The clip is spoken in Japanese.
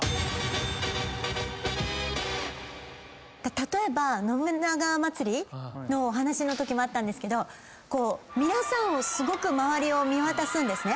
例えば信長まつりのお話のときもあったんですけど皆さんをすごく周りを見渡すんですね。